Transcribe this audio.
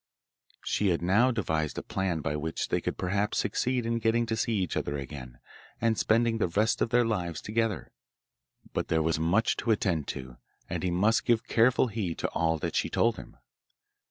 She had now devised a plan by which they could perhaps succeed in getting to see each other again, and spending the rest of their lives together. But there was much to attend to, and he must give careful heed to all that she told him.